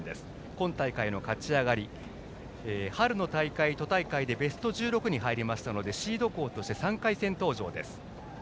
今大会の勝ち上がりは春の大会、都大会でベスト１６に入りましたのでシード校として３回戦登場です。